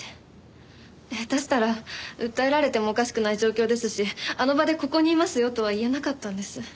下手したら訴えられてもおかしくない状況ですしあの場でここにいますよとは言えなかったんです。